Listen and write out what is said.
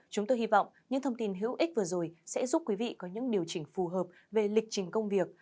chúng tôi hy vọng những thông tin hữu ích vừa rồi sẽ giúp quý vị có những điều chỉnh phù hợp về lịch trình công việc